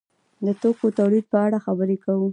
د توکو تولید په اړه خبرې کوو.